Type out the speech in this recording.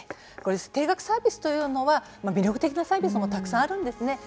定額サービスというのは魅力的なサービスもたくさんあるんです。